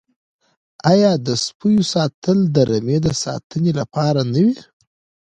آیا د سپیو ساتل د رمې د ساتنې لپاره نه وي؟